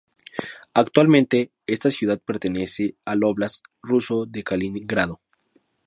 Actualmente esta ciudad pertenece al oblast ruso de Kaliningrado.